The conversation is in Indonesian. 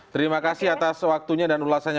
terima kasih atas waktunya dan ulasannya